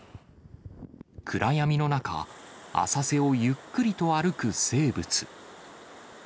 暗闇の中、浅瀬をゆっくりと歩く生物。